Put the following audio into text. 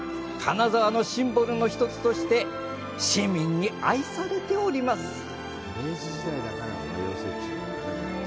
金沢のシンボルの一つとして市民に愛されています。